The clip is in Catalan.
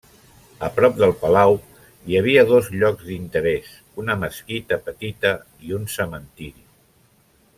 A prop del palau hi havia dos llocs d'interès, una mesquita petita i un cementiri.